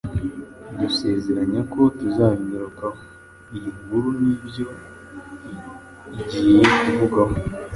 dusezeranya ko tuzabigarukaho. Iyi nkuru nibyo igiye kuvugaho.